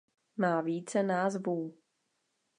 Má více názvů.